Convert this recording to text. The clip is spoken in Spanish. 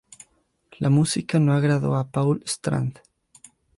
La música no agradó a Paul Strand.